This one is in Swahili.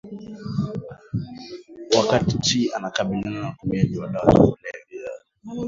Wakati anakabiliana na utumiaji wa dawa za kulevya